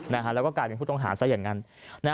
แล้วก็กลายเป็นผู้ต้องหาซะอย่างนั้น